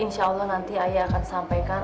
insya allah nanti ayah akan sampaikan